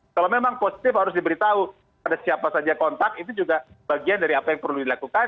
kalau memang positif harus diberitahu pada siapa saja kontak itu juga bagian dari apa yang perlu dilakukan